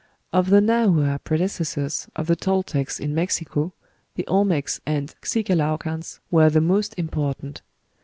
"Of the Nahua predecessors of the Toltecs in Mexico the Olmecs and Xicalaucans were the most important.